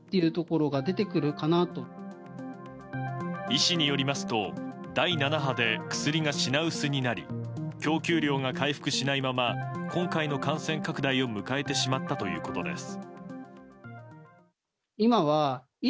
医師によりますと、第７波で薬が品薄になり供給量が回復しないまま今回の感染拡大を迎えてしまったということです。